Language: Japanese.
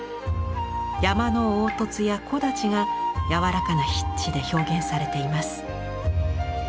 山の凹凸や木立が柔らかな筆致で表現されています。